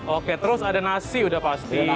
oke terus ada nasi udah pasti